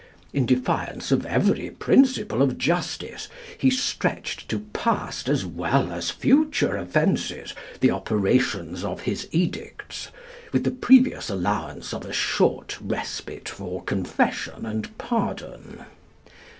In defiance of every principle of justice he stretched to past as well as future offences the operations of his edicts, with the previous allowance of a short respite for confession and pardon.